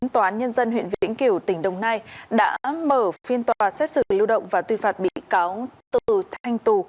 quán nhân dân huyện vĩnh kiều tỉnh đồng nai đã mở phiên tòa xét xử lưu động và tuyên phạt bị cáo từ thanh tù